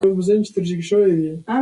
او تر اوولسمې پېړۍ پورې یې دوام کړی.